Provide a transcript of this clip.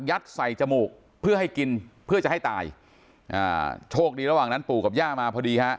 ใส่จมูกเพื่อให้กินเพื่อจะให้ตายอ่าโชคดีระหว่างนั้นปู่กับย่ามาพอดีฮะ